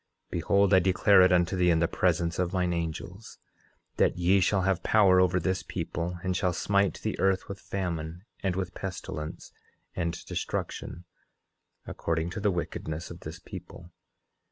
Behold, I declare it unto thee in the presence of mine angels, that ye shall have power over this people, and shall smite the earth with famine, and with pestilence, and destruction, according to the wickedness of this people.